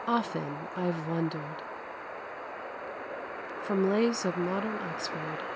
Often I've wondered ! From Lays of Modern Oxford, 1874.